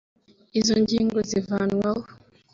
izo ngingo zivanwaho